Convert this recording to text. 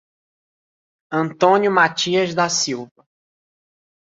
Antônio Mathias da Silva